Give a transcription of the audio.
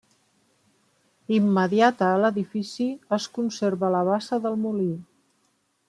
Immediata a l'edifici es conserva la bassa del molí.